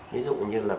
ví dụ như là